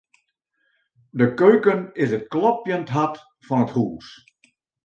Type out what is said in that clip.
De keuken is it klopjend hart fan it hús.